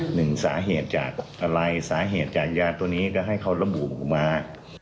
หนึ่งสาเหตุจากอะไรสาเหตุจากยาตัวนี้ก็ให้เขาระบุมา